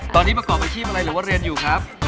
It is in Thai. ตอนนี้ประกอบอาชีพอะไรหรือว่าเรียนอยู่ครับ